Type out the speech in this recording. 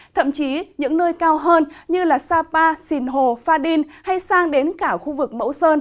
thậm chí những nơi cao hơn như sapa sinh hồ pha đin hay sang đến cả khu vực mẫu sơn